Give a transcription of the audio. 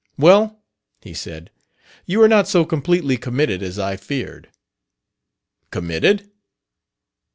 "Well," he said, "you are not so completely committed as I feared." "Committed?"